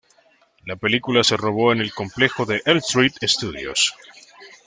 La película se rodó en el complejo de Elstree Studios.